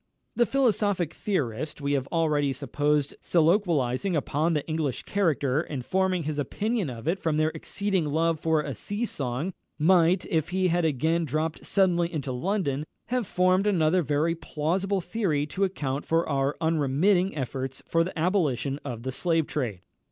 The philosophic theorist we have already supposed soliloquising upon the English character, and forming his opinion of it from their exceeding love for a sea song, might, if he had again dropped suddenly into London, have formed another very plausible theory to account for our unremitting efforts for the abolition of the slave trade.